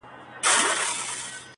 چي قاضي ته چا ورکړئ دا فرمان دی،